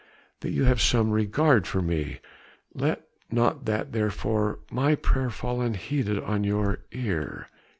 that you have some regard for me ... let not therefore my prayer fall unheeded on your ear...."